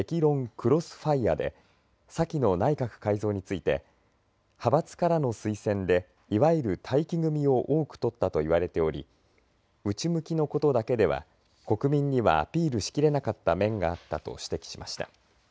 クロスファイアで先の内閣改造について派閥からの推薦でいわゆる待機組を多く取ったと言われており内向きのことだけでは国民にはアピールし切れなかった面があったと指摘しました。